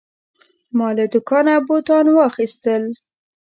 ما له دوکانه بوتان واخیستل.